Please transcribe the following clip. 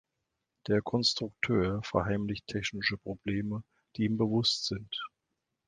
Der Konstrukteur verheimlicht technische Probleme, die ihm bewusst sind.